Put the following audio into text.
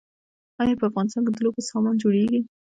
آیا په افغانستان کې د لوبو سامان جوړیږي؟